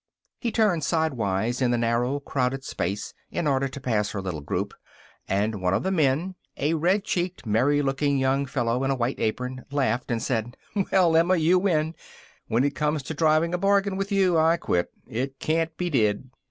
He turned sidewise in the narrow, crowded space in order to pass her little group. And one of the men a red cheeked, merry looking young fellow in a white apron laughed and said: "Well, Emma, you win. When it comes to driving a bargain with you, I quit. It can't be did!"